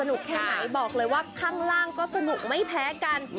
แค่ไหนบอกเลยว่าข้างล่างก็สนุกไม่แพ้กัน